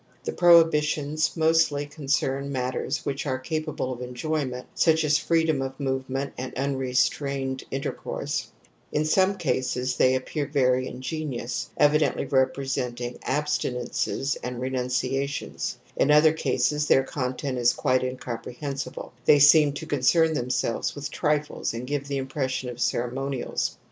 vThe prohibitions mostly concern matters which are capable of enjoyment such as freedom of movement and imrestrained inter course ;) in some cases they appear very in genious, evidently representing abstinences and remmciations ; in other cases their content is quite incomprehensible, they seem to concern themselves with trifles and give the impression of ceremonials.